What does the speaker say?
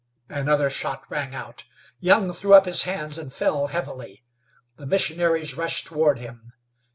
Another shot rang out. Young threw up his hands and fell heavily. The missionaries rushed toward him.